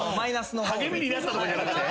励みになったじゃなくて？